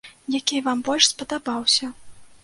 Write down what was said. Які вам больш спадабаўся?